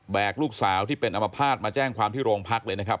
ลูกสาวที่เป็นอมภาษณ์มาแจ้งความที่โรงพักเลยนะครับ